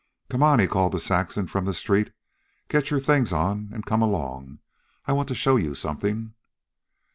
"Come on!" he called to Saxon from the street. "Get your things on an' come along. I want to show you something."